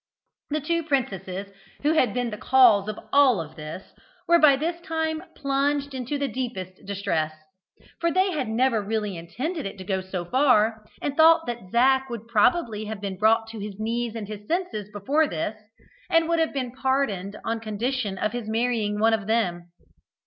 The two princesses who had been the cause of all this were by this time plunged into the deepest distress, for they had never really intended it to go so far, and thought that Zac would probably have been brought to his knees and his senses before this, and would have been pardoned on condition of his marrying one of them.